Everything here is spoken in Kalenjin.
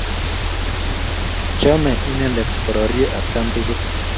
Chame inendet kororye atkan tugul.